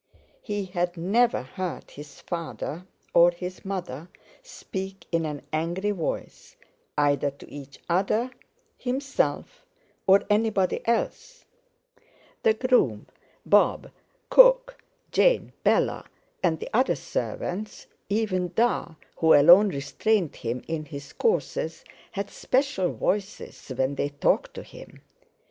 He had never heard his father or his mother speak in an angry voice, either to each other, himself, or anybody else; the groom, Bob, Cook, Jane, Bella and the other servants, even "Da," who alone restrained him in his courses, had special voices when they talked to him.